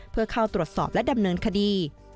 เพื่อเข้าตรวจสอบและดำเนินคดี